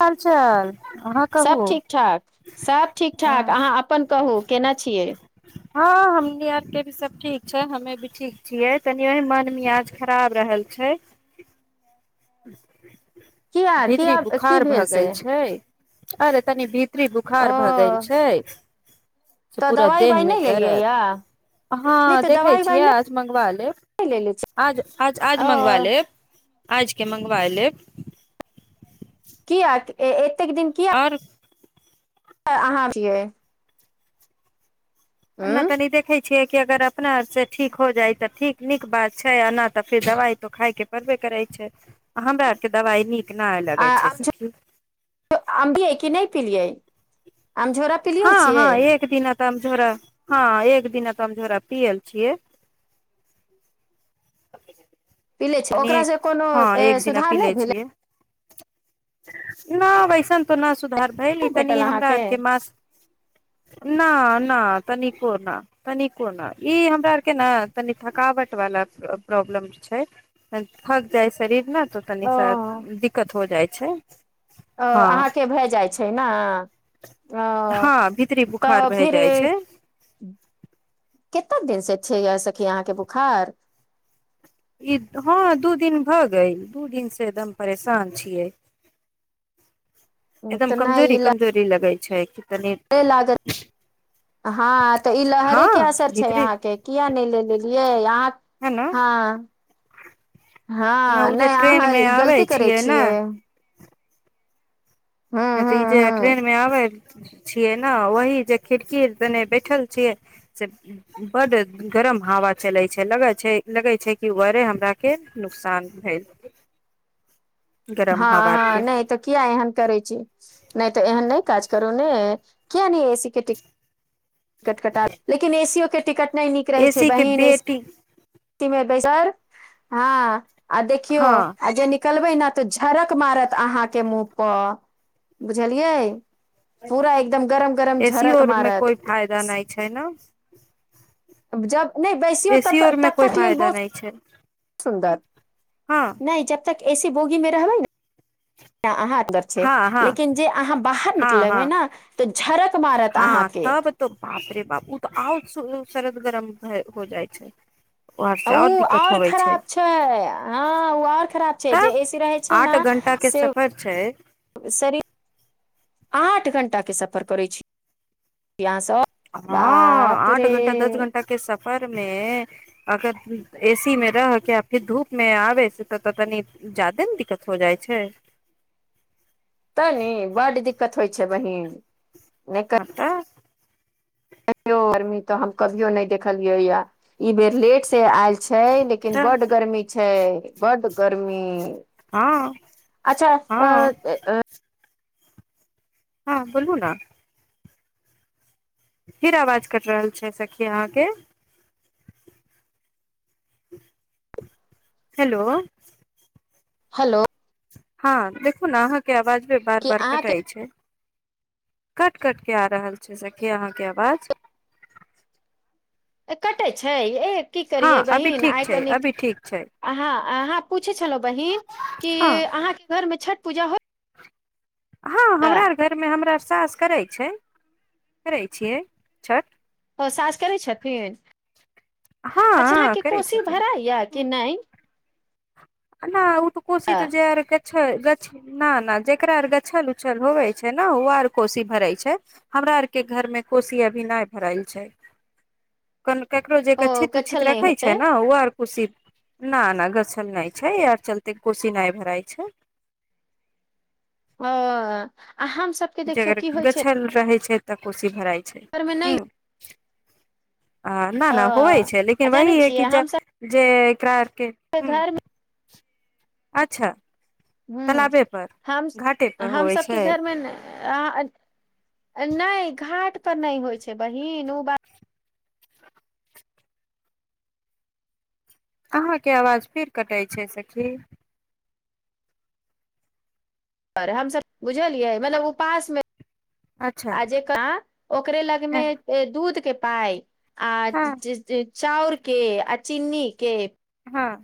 हाल चाल अहाँ कहू सब ठीक ठाक सब ठीक ठाक हँ अहाँ अपन कहू केना छियै हँ हमनी आरके भी सब ठीक छै हमे भी ठीक छियै तनि ओही मन मियाज खराब रहल छै किया ह भीदी किया की बुखार भेल भए से गेल छै अरे तनी भीत प्री ओ बुखार भए गेल छै से तऽ पूरा दवाइ देह उवाइ मे नहि लेलियै दरद या हँ नहि तऽ देखै दवाइ उवाइ छियै नहि आज मंगवा लेब लेले छी आज आज आज मंगवा ओ लेब आज के मंगवायले की आ ए ए कतेक दिन किया अहाँ छियै अना उं तनी देखै छिये कि अगर अपना आर से ठीक हो जाय तऽ ठीक नीक बात छै आना तऽ फेर दवाई तो खााय के पड़बे करे छै हमरा आर के दवाई नीक छै नहि आ लगै सखी अ भियै कि नहि पलियै आम झोरा पिलिए छियै त झोरा हँ एक दिना त हम झोरा पियल छियै पी लै छै तनि ओकरासँ कोनो सुधार नहि भेलै नना वयसन त न सुधार कहली नहि तनी भेटल हमरा अहाँके आरके मास न न तनिको न तनिको ने ई हमरा आर के ने तनि थकावट वाला प्रॉब्लम छै थक जाइ शरीर ने तऽ तनी सा दिक्कत हो जाइ छै अ हँ अहाँके भए जाइत छै नए आ हँ भीतरी बुखार तऽ भए फिर जाइ छै के कतेक दिन से छैे या सखी अहाँके बोखार ई हँ दू दिन भऽ गइल दू दिनसँ एकदम परेशान छियै एकदम कमजोरी कमजोरी लगै छै कि तनि ऐ लागत हँ तऽ ई हँ लहरे के असर छै भीतरी अहाँके किया नहि ले लेलियै अहाँ है ने हँ हँ ओ जे नहि ट्रेन अहाँ मे ई आबै गलती करै ने छियै नहि तऽ हूँ ई जे हूँ ट्रेनमे आबै छियै न वही जे खिड़कीने बैठल छियै से बड्ड गरम हवा चलै छै लगै छै लगै छै कि ओरे हमराके नुकसान भेल गरम हँ हवा हँ के नहि तऽ किया एहन करै छै नहि तऽ एहन नहि काज करू ने किया न एसी के टि कट कटा लेकिन एसीयो के टिकट नहि एसी के बेटी तिमर भै सर हँ आ देखियौ हँ आ जे निकलबै ने तऽ झरक मारत अहाँ के मुँह पर बुझलियै पूरा एकदम गरम गरम झरक मारत जानइ छै न ब जब नहि बैसियौ एसी तब आरमे तब कोइ तक लेल फायदा बहुत नहि छै सुन्दर हँ नहि जब तक एक एसी बोगी मे रहबै ने त अहाँ दर छै हँ हँ लेकिन जे अहाँ बाहर हँ निकलबै हँ ना त' हँ तब त बापरे बापू त आ शरत गरम हो जाइ छै ओर से ओ दिक्कत आओर होवे खराब छै हँ ओ आओर खराब छै जे तऽ एऐसी रहै छै ने आठ घंटा के से सफर छै शरीर आठ घण्टाके सफर करैत छी यहाँ सब हँ बाप आठ रे घंटा दस घंटा केस फर मे अगर एसी मे रहके फेर धूप मे आबे तऽ तनी जादे ने दिक्कत हो जाइ छै तानी बड्ड दिककत होइ छै बहिन ह [unintelligible] तऽ कहिो गर्मी तऽ हम कभो नहि देखलियै या [unintelligible] ई बेर लेट से आयल छै लेकिन तऽ बड गर्मी छै छै बड गर्मी हँ अच्छा हँ अ तै अ हँ बोलू ने फिर आवाज कि रहल छै सखी अहाँके हेलो हलो हँ देखू ने अहाँ अवाज भी बार कि बार कटइ अहाँके छै कट कटि कऽ आ रहल छै सखी अहाँके आवाज कटै छै एक की हँ करियै अभी बहिन ठीक आइ छै कनिक अभी ठीक छै अहाँ अहाँ पुछै छलौ बहिन की हँ अहाँ के घर में छठ। पूजा हो हँ हमरा आर घरमे हमरा सास करै छै करै छियै छठ ओ सास करै छथिन अच्छा हँ अहाँके करै कोशी भरा यए कि नहि अन ऊट कुसी त जयर छ गछ न ना जकरा अर गछल उ्छल होवै छै ने ओ आर कोसी भरै छै हमरा अरके घरमे कोसी अभी नहि भरल छै कनि केकरो जे ओ गचछित गछल उच्छित नहि रखै होतै छै ने ओ आर कुसी न न गछल नहि छै आर चलते कोसी नहि भराइ छै ओ हम सबके देखियौ जेगर की होइ छै गछल रहै छै तऽ कुसी भराइ घरमे हू नहि हँ न नहि होवै छै लेकिन अ जानै वही है कि छियै जे हमसब जे त्रर के हुं घरमे अच्छा हुं तालाबे पर हम घाटे पर होवे हमसभके छै घरमे ने अहाँ नहि घाट पर नहि होइ छै बहिन ओ बात अहाँके आवाज फेर कटै छै सखी आरे हमसब बुझलियै मतलब उपास मे अच्छा आ जे कह ओकरे लगमे हँ दूध के पाइ आ हँ जे जेक चाउर के आ चीनी के हँ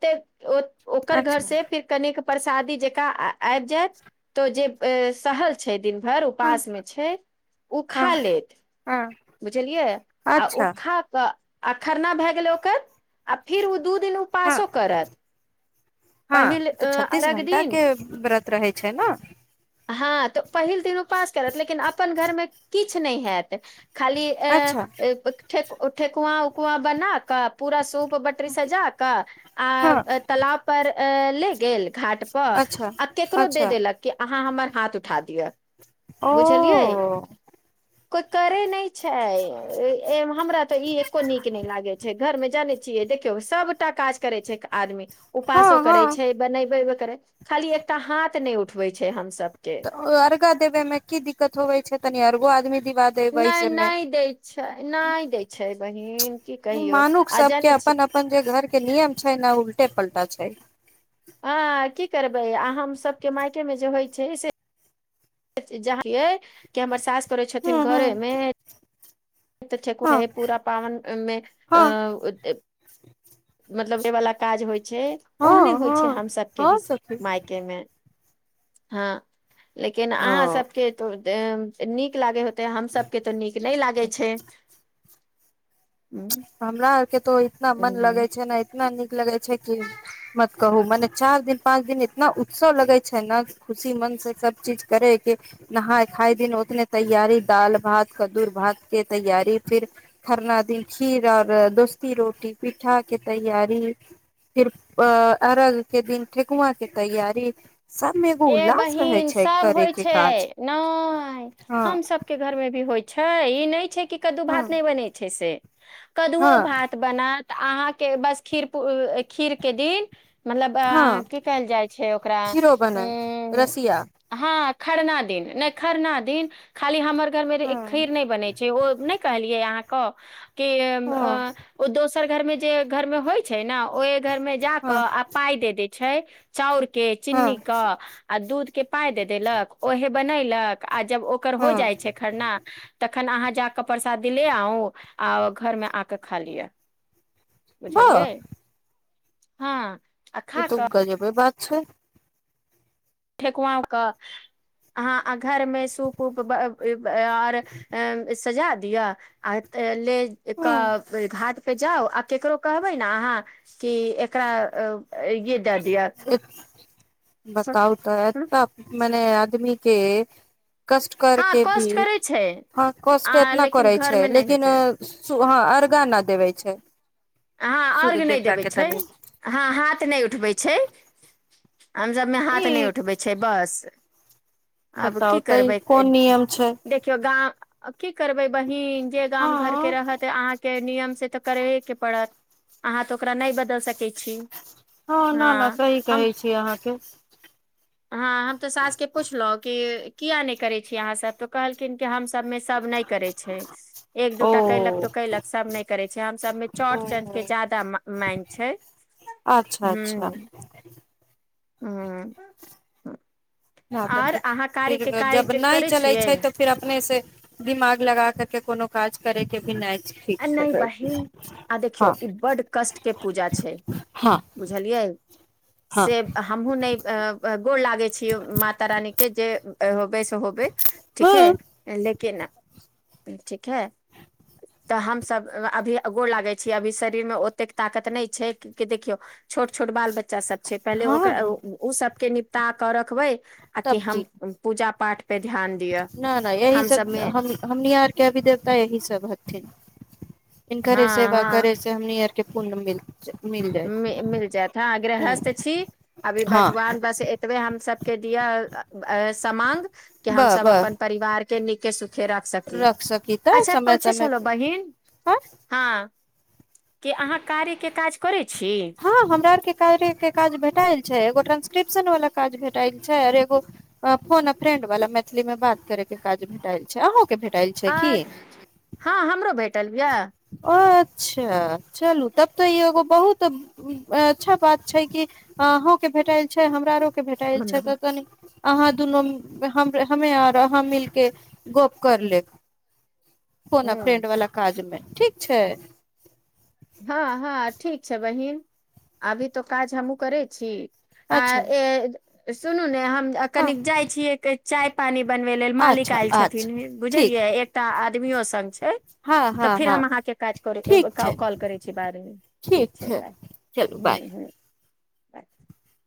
तेक ओ ओकर घर अच्छा से फिर कनेक परसादी जकाँ आयब जायत त' जे शहर छै दिन घर हँ उपास मे छै उ हँ खा लेत हँ बुझलियै आ उ अच्छा खा कऽ आ खरना भए गेलै ओकर आ फिर ओ दू दिन हँ पासो करत हँ पहिल ई अ तऽ छत्तीस अर्घ दिन घंटाके व्रत रहै छै ने हँ तऽ पहिल दिन उपास करत लेकिन आपन घरमे किछ नहि हैत खाली अ अच्छा ठत् उ ठेकुआ उकुआ बना' क' पूरा सूप बटरी सजा कऽ आ हँ तलाब पर अए ले गेल घाट पर अच्छा आ केकरो दे अच्छा देलक कि अहाँ हमर हाथ उठा दे ओ कोइ करे नहि छै हमरा तऽ ई एको नीक नहि लागे छै घर मे जाने छियै देखियौ सबटा काज करय छै आदमी हँ उपासो करे हँ छै बनैबै करय खाली एकटा हाथ नै उठबै छै हमसब तऽ ओ अर्गा देबे मे की दिक्कत होबे छै त तनि आरो आदमी दिवा देबै नहि सबमे नहि दै छै नहि दै छै बहिन की कहियौ मानुख आ सबके जानै छी अपन अपन जे घर के नियम छै ने उलटे पलटा छै हँ की करबै आ हमसभके मायकेमे जे होइत छै से जहाँ य कि हमर सास करै छथिन हूँ हूँ घरेमे हँ छै पूरा पावनमे हँ मतलब देवा काज होइ ओहने हँ होइ छै हँ हम सब के भी हँ सखी मायके मे हँ लेकिन अहाँ सबके तो टैम से नीक लागे होतै छै हम सब के तो नीक नहि ला ग छैथ ह के तो इतना मन लगे छै ने इतना नीक लगे छै कि मत कहू मने चार दिन पाँच दिन इतना उत्सव लगे छै ने खुशी मन से सब चीज करे के नहााय खाय दिन उतने तैयारी दाल भात कद्दू भात के तैयारी फिर खरना दिन खीर आऔर दोस्ती रोटी पीठा के तैयारी फिर अ अर्घ के दिन ठेकुआ के तैयारी सबमे एगो ए उल्लास रहे बहिन छै सब करे होइ के छै काज नय हँ हम सबके घर मे भी होइ छै ई नहि छै की कद्दू हँ भात नहि बनै छै से कद्दओ हँ भात बनात तऽ अहाँके बस खीर पु आ खीरके दिन मतलब आ हँ की कहल जाइ छै ओकरा खीरो उ रसिया हँ खरना दिन नहि खरना दिन खाली हमर घर मे हँ खीर नहि बनै छै ओ नहि कहलि के अहाँ क के हँ ओ दोसर घरमे जे घर मे होइ छै न ओहि घर में जााक हँ आ पााय दे दे छै छै चाउर के चिन्नी हँ आ दूध के पा दे देलक ओहे बनय लक आ जब ओकर हो जाइ हँ छै करना तखन आहाँ। जा क प्रसाद द ले आउ आ घर मे आके खा लिया वाह बुझलियै हँ आ ई खा त कऽ कजेबै बात छ ठेकआव क अहाँ घरमे सूप उप आओर अ सजा दियअ आ हँ एक घट पे जाउ आ केकरो कहबै ने अहाँ कि एकरा ये द द य बताउ तऽ ए त मने आदमी के कष्ट हँ करके भी कष्ट करै छै हँ कष्ट आ एतना लेकिन करै घर छै मे नहि होइ लेकिन छै हँ अर्गा न देबे छै हँ सूर्य अर्घ्य नहि देवता देबे के छै तनि हँ हाथ नहि उठबै छै हम सभमे हाथ नहि ई उठबै छै बस आब की बताउ तऽ ई करबै कोन नियम छै देखियौ गाँ आ की करबै बहिन जे गाम घर के हँ रहत अहाँ के नियम से तऽ करेबे के अहाँ तऽ ओकरा नहि बदल सक हँ न न सही हम कहै छी अहाँके हँ हम तऽ सास के पुछलहुं कि किया नहि करै छीिय अहाँ सब तऽ कहलखिन कि हम सभमे सब नहि करै छै एक ओ दूटा कलक तो कलक सब नहि करै छै हम सभमे चौट ओ च के जदाा मान छै अच्छा अच्छा ह हुँ [unintelligible] फिर जब कार्य नहि करै चलै छियै छैय तऽ फिर अपने से दिमाग लगा कर के कोनो काज करे के भी नहि ठीक छै नहि बहिन आ देखियौ हँ ई बड कष्ट के पूजा छैय हँ बुझलियै हँ से हमूँ नहि गोर लाग लगे छिय माता रानी के जे एहो [unintelligible] तऽ होब ठीक है हँ लेकिन ठीक है तऽ हमसब अभीगो लागे छी अभी शरीर मे ओतेक ताकत नहि छैय कि देखियौ छोट छोट बाल बच्चा बच्चा सब छैय पहिले ओकरा हँ ओ सबके ताकऽ रखबै आ कि तब हम की पूजा पाठ पे ध्यान दिअ न न यही हम सब सबमे हमनी यारकेभी देवता यही सब ह ठीक इनकरे हँ हँ सेवाकरै से हमनी अर के पुण्य मिल मिल जाय मिल जायत ह गृहस्थ छी अभी हँ भगवान बस एतबे हमसब के दिय समाँग कि ब ब हमसब अपन परिवार के निके सु खे राख सकी रख तऽ अच्छा समय पूछे समय छलहु पर बहिन हँ कि अहाँ कार्यके काज करै छी हँ हमरा आरके कार्य के काज भेटाय छैय एगो ट्रांसक्रिप्शन वाला काज भेटायल छैय और एगो फोन फ्रेंड वाला मैथिली मे बात करे के काज भेटल छैय अहु अ हँ हमरो भे टालया अच्छा चलू तब तऽ ई एगो बहुत अच्छा बात छैय कि आहूँ के भेटल छैय हमरा आरो भेटल छैय तऽ कनि अहाँ दुनू हमे हमे आर अहाँ मिलके गप करि लेब फोन फ्रेंड वला ठीक छैय हँ हँ ठीक छैय बहिन अभी तो काज हमहुँ करै छी आ अच्छा ए सुनू नेहाँ हँ कनिक जाइ छियै चाय पानी बनबे लेल मालिक अच्छा आयल छथिन अच्छा ठीक बुझलियै एकटा हँ [unintelligible] तऽ हँ फिर हँ हम अहाँके काज करैत ठीक छै कॉल करै छी बारमे ठीक छै बाय चलू ह बाय ह [inaudible]